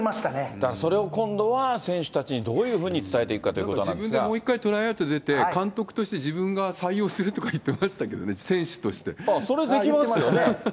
だからそれを今度は選手たちにどういうふうに伝えていくかと自分でもう一回トライアウト出て、監督として自分が採用するとか言ってましたけどね、選手とそれできますよね。